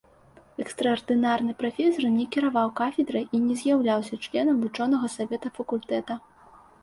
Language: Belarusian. Экстраардынарны прафесар не кіраваў кафедрай і не з'яўляўся членам вучонага савета факультэта.